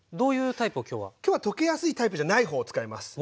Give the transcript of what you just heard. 今日は溶けやすいタイプじゃない方を使います。